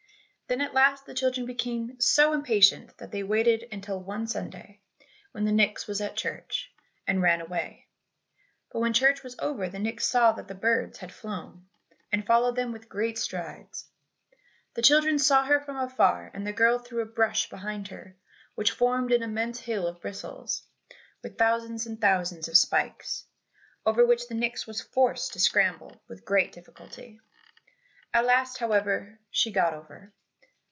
Then at last the children became so impatient, that they waited until one Sunday, when the nix was at church, and ran away. But when church was over, the nix saw that the birds were flown, and followed them with great strides. The children saw her from afar, and the girl threw a brush behind her which formed an immense hill of bristles, with thousands and thousands of spikes, over which the nix was forced to scramble with great difficulty; at last, however, she got over.